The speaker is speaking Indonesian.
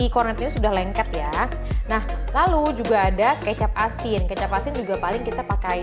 kornetnya sudah lengket ya nah lalu juga ada kecap asin kecap asin juga paling kita pakai